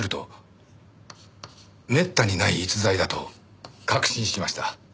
めったにない逸材だと確信しました。